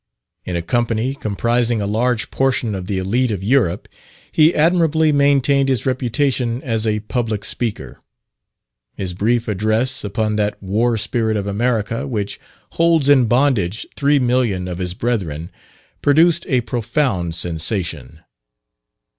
In a company, comprising a large portion of the elite of Europe, he admirably maintained his reputation as a public speaker. His brief address, upon that "war spirit of America which holds in bondage three million of his brethren," produced a profound sensation.